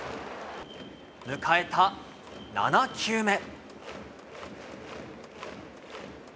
迎えた７球目。